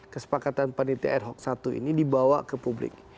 kesepakatan pendidikan airhoc satu ini dibawa ke publik